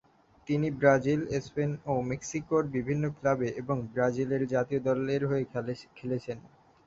তিনি Brazil, Spain ও মেক্সিকোর বিভিন্ন ক্লাবে এবং ব্রাজিলের জাতীয় দলের হয়ে খেলেছেন।